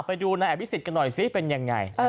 ไปดูนายอภิษฎกันหน่อยสิเป็นยังไง